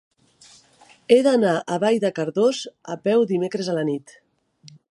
He d'anar a Vall de Cardós a peu dimecres a la nit.